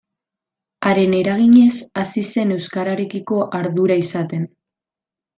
Haren eraginez hasi zen euskararekiko ardura izaten.